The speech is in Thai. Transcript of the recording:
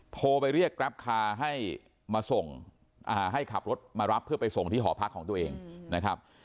โทรไปเรียกแกรปคาร์ให้มาส่งให้ขับรถมารับเพื่อไปส่งที่หอพักของตัวเองนะครับ